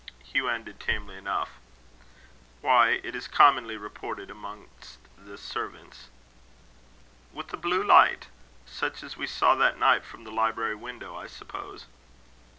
Hugh ended tamely enough: "Why, it is commonly reported amongst the servants." "With a blue light? Such as we saw that night from the library window, I suppose."